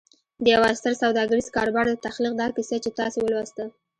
د يوه ستر سوداګريز کاروبار د تخليق دا کيسه چې تاسې ولوسته.